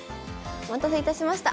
お待たせいたしました。